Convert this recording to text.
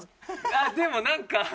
あっでもなんか。